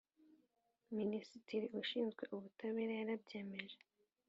Minisitiri ushinzwe ubutabera yarabyemeje